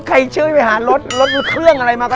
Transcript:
ช่วยไปหารถรถเครื่องอะไรมาก็